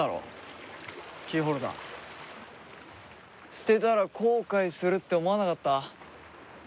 捨てたら後悔するって思わなかった？